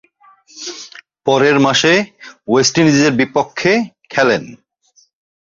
পরের মাসে ওয়েস্ট ইন্ডিজের বিপক্ষে খেলেন।